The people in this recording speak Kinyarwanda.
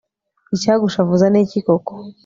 icyagushavuza niki koko